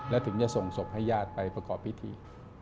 และถึงจะส่งศพให้ญาติไปประกอบพิธี